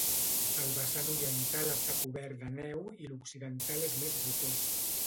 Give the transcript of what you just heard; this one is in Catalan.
El vessant oriental està cobert de neu i l'occidental és més rocós.